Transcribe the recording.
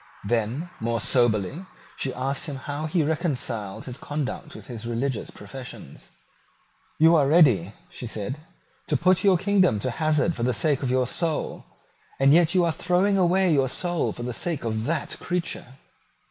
Then, more soberly, she asked him how he reconciled his conduct to his religious professions. "You are ready," she said, "to put your kingdom to hazard for the sake of your soul; and yet you are throwing away your soul for the sake of that creature."